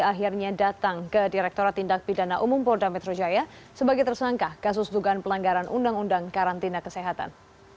akhirnya datang ke direkturat tindak pidana umum polda metro jaya sebagai tersangka kasus dugaan pelanggaran undang undang karantina kesehatan